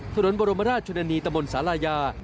ถนนบรมราชชนานีตมสารายา